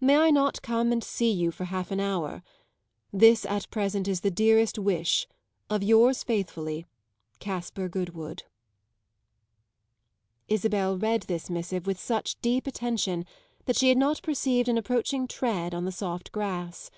May I not come and see you for half an hour? This at present is the dearest wish of yours faithfully, CASPAR GOODWOOD. Isabel read this missive with such deep attention that she had not perceived an approaching tread on the soft grass.